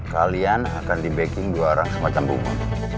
kalian akan di backing dua orang semuanya